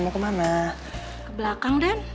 ke belakang dan